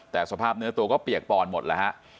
แต่สภาพเนื้อตัวก็เปียกปอนหมดแล้วฮะ